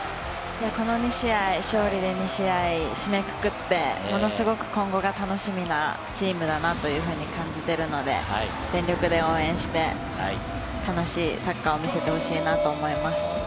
この２試合、勝利で２試合締めくくって、ものすごく今後が楽しみなチームだなと感じているので、全力で応援して、楽しいサッカーを見せてほしいなと思います。